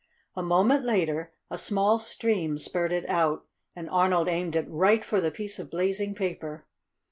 A moment later a small stream spurted out, and Arnold aimed it right for the piece of blazing paper.